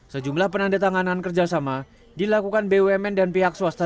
sejumlah penandatanganan kerjasama dilakukan bumn dan pihak swasta